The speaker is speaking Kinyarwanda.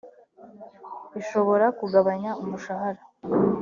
ishobora kugabanya umushahara